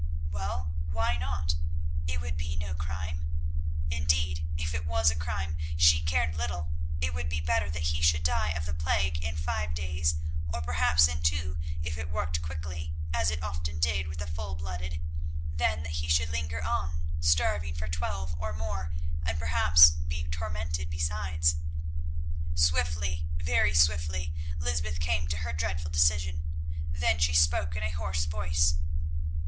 Well, why not? It would be no crime. Indeed, if it was a crime, she cared little; it would be better that he should die of the plague in five days, or perhaps in two, if it worked quickly, as it often did with the full blooded, than that he should linger on starving for twelve or more, and perhaps be tormented besides. Swiftly, very swiftly, Lysbeth came to her dreadful decision. Then she spoke in a hoarse voice.